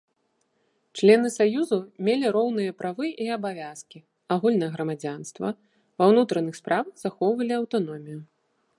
Члены саюзу мелі роўныя правы і абавязкі, агульнае грамадзянства, ва ўнутраных справах захоўвалі аўтаномію.